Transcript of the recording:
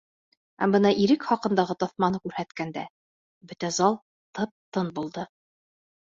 Ә бына Ирек хаҡындағы таҫманы күрһәткәндә бөтә зал тып-тын булды.